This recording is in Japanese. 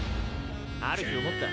ある日思った。